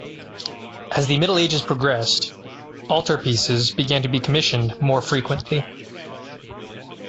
As the Middle Ages progressed, altarpieces began to be commissioned more frequently.